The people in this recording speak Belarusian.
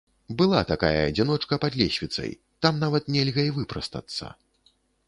Была такая адзіночка пад лесвіцай, там нават нельга і выпрастацца.